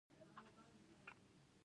د هند خلک میلمه پال دي.